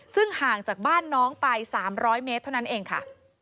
ซึ่งห่างจากบ้านน้องไป๓๐๐เมตรเท่านั้นเองค่ะ